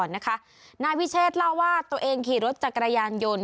นายวิเชษเล่าว่าตัวเองขี่รถจักรยานยนต์